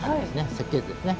設計図ですね。